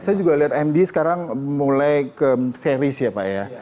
saya juga lihat md sekarang mulai ke series ya pak ya